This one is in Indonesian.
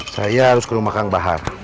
saya harus ke rumah kang bahar